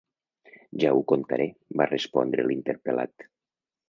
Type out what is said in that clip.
Ja ho contaré- va respondre l'interpel·lat.